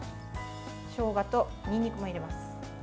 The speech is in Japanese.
しょうがとにんにくも入れます。